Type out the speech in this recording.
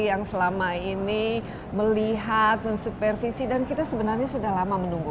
yang selama ini melihat mensupervisi dan kita sebenarnya sudah lama menunggu